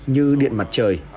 như điện mặt trời